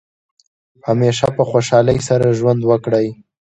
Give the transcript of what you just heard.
همیشه په خوشحالۍ سره ژوند وکړئ.